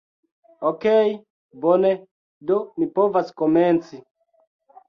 Okej bone, do mi povas komenci